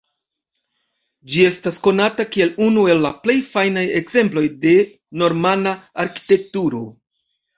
Ĝi estas konata kiel unu el la plej fajnaj ekzemploj de normana arkitekturo.